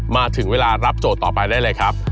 มาถึงเวลารับโจทย์ต่อไปได้เลยครับ